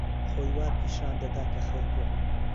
خۆی وا پیشان دەدا کە خەوتووە.